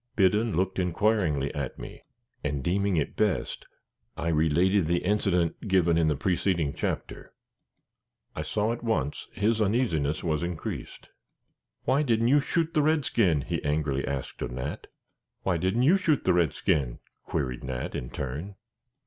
Biddon looked inquiringly at me, and, deeming it best, I related the incident given in the preceding chapter. I saw at once his uneasiness was increased. "Why didn't you shoot the redskin?" he angrily asked of Nat. "Why didn't you shoot the redskin?" queried Nat, in turn.